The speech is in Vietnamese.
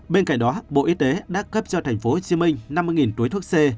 bên cạnh đó bộ y tế đã cấp cho tp hcm năm mươi túi thuốc c